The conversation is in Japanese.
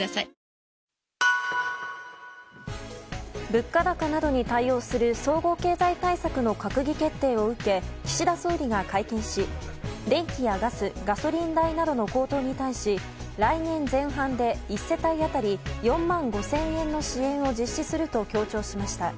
物価高などに対応する総合経済対策の閣議決定を受け岸田総理が会見し電気やガス、ガソリン代などの高騰に対し来年前半で１世帯当たり４万５０００円の支援を実施すると強調しました。